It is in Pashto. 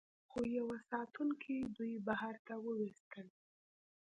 خو یوه ساتونکي دوی بهر ته وویستل